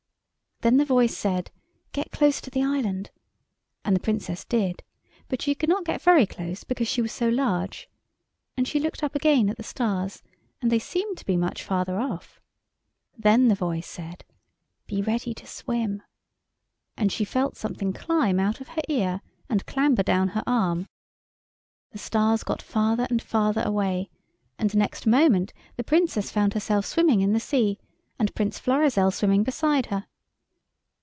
Then the voice said, "Get close to the island," and the Princess did, but she could not get very close because she was so large, and she looked up again at the stars and they seemed to be much farther off. Then the voice said, "Be ready to swim," and she felt something climb out of her ear and clamber down her arm. The stars got farther and farther away, and next moment the Princess found herself swimming in the sea, and Prince Florizel swimming beside her.